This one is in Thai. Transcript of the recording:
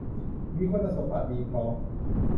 มีคุณสมบัติดีพร้อม